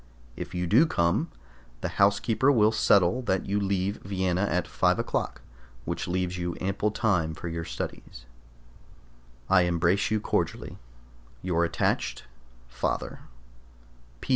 If you do come, the housekeeper will settle that you leave Vienna at five o'clock, which leaves you ample time for your studies. I embrace you cordially. Your attached FATHER.